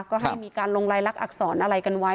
ก็ให้มีการลงรายลักษณอักษรอะไรกันไว้